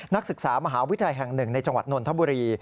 นักศึกษามหาวิทยาลัยแห่ง๑ในจังหวัดนนทบุรี